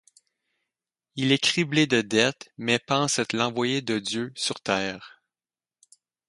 Il est criblé de dettes mais pense être l'envoyé de Dieu sur Terre.